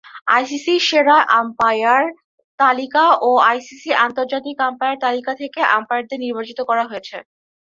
আইসিসি’র সেরা আম্পায়ার তালিকা ও আইসিসি আন্তর্জাতিক আম্পায়ার তালিকা থেকে আম্পায়ারদের নির্বাচিত করা হয়েছে।